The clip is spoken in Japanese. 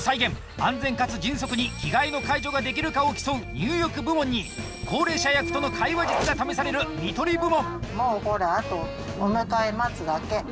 安全かつ迅速に着替えの介助ができるかを競う入浴部門に、高齢者役との会話術が試される看取り部門。